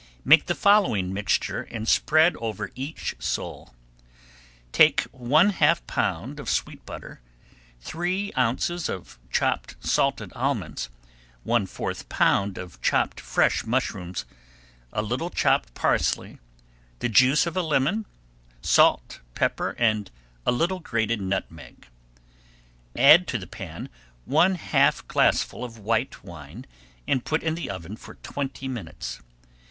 Make the following mixture and spread over each fillet of sole: Take one half pound of sweet butter, three ounces of chopped salted almonds, one fourth pound of chopped fresh mushrooms, a little chopped parsley, the juice of a lemon, salt, pepper and a little grated nutmeg. Add to the pan one half glassful of white wine and put in the oven for twenty minutes.